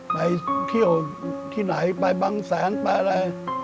ไปเที่ยวที่ไหนไปบางแสนไปอะไร